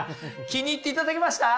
気に入っていただけました？